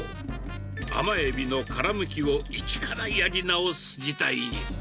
甘エビの殻むきを一からやり直す事態に。